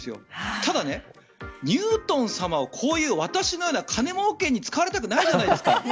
ただ、ニュートン様をこういう私のような金もうけに使われたくないじゃないですか。